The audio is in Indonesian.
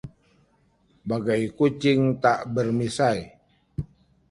Bagai kucing tak bermisai